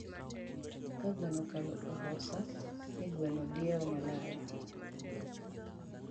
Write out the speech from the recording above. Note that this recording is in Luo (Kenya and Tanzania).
Ka gweno okalo ahosa, ni gweno diewo malare